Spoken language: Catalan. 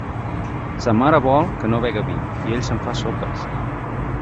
Sa mare no vol que bega vi i ell se'n fa sopes.